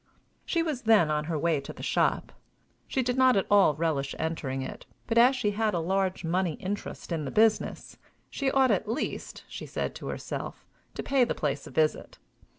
She was then on her way to the shop. She did not at all relish entering it, but, as she had a large money interest in the business; she ought at least, she said to herself, to pay the place a visit.